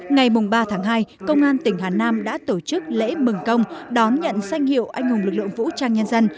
ngày ba tháng hai công an tỉnh hà nam đã tổ chức lễ mừng công đón nhận danh hiệu anh hùng lực lượng vũ trang nhân dân